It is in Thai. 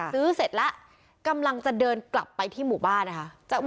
เสร็จแล้วกำลังจะเดินกลับไปที่หมู่บ้านนะคะ